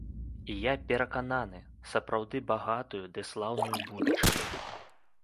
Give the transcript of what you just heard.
І, я перакананы, сапраўды багатую ды слаўную будучыню.